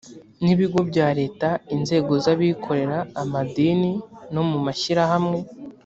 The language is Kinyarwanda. n ibigo bya leta inzego z abikorera amadini no mu mashyirahamwe